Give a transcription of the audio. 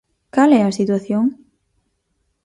¿Cal é a situación?